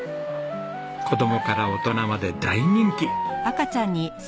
子供から大人まで大人気。